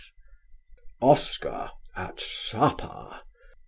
Oscar at Supper!!!!"